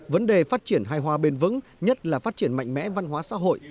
vấn đề phát triển hai hoa bền vững nhất là phát triển mạnh mẽ văn hóa xã hội